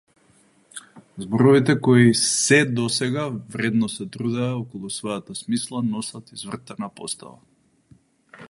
Зборовите кои сѐ до сега вредно се трудеа околу својата смисла носат извртена постава.